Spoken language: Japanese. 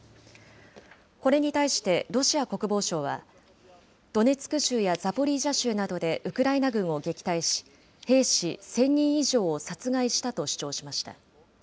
これに対してロシア国防省は、ドネツク州やザポリージャ州などでウクライナ軍を撃退し、兵士１０００人以上を殺害したと主張しました。